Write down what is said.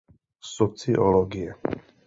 Sociologie.